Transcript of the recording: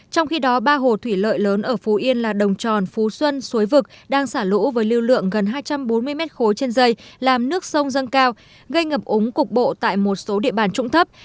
trong khi đó ba hồ thủy lợi lớn ở phú yên là đồng tròn phú xuân suối vực đang xả lũ với lưu lượng gần hai trăm bốn mươi m ba trên dây làm nước sông dâng cao gây ngập úng cục bộ tại một số địa bàn trụng thấp